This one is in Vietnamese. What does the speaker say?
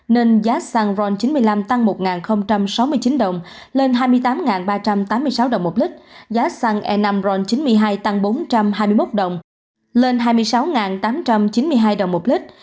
nên giá xăng ron chín mươi năm tăng một sáu mươi chín đồng lên hai mươi tám ba trăm tám mươi sáu đồng một lít giá xăng e năm ron chín mươi hai tăng bốn trăm hai mươi một đồng lên hai mươi sáu tám trăm chín mươi hai đồng một lít